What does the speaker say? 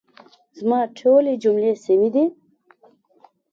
زما ټولي جملې سمي دي؟